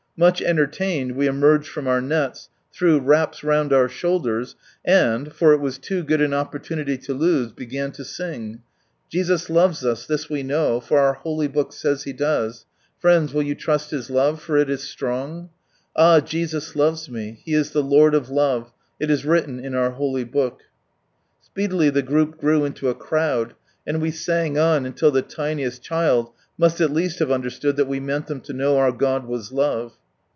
Much entertained we emerged from our nets, threw wraps round our shoulders, and — for it was too good an opportunity to lose —began to sing — I laves us, lliis jve tiiirui. For eur Hely Book says He does. Friends, will you trust His lave, for it is strong f Ah. Jesus Im'ts me ; He is Ihe Lord nf Ijnie ; il ii Tfritlin in our Holy Book." Speedily the group grew into a crowd, and we sang on until the tiniest child must at least have understood that we meant them lo know our God was Love.